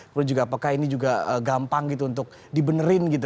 kemudian juga apakah ini juga gampang gitu untuk dibenerin gitu